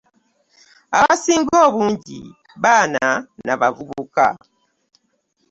Abasinga obungi baana na bavubuka.